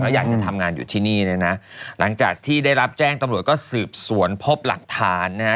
อยากจะทำงานอยู่ที่นี่เนี่ยนะหลังจากที่ได้รับแจ้งตำรวจก็สืบสวนพบหลักฐานนะฮะ